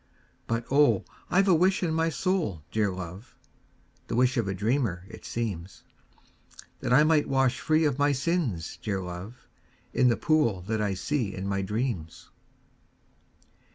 But, oh, I 've a wish in my soul, dear love, (The wish of a dreamer, it seems,) That I might wash free of my sins, dear love, In the pool that I see in my dreams.